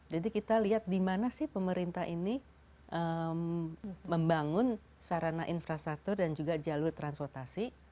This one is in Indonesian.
jadi kita lihat dimana sih pemerintah ini membangun sarana infrastruktur dan juga jalur transportasi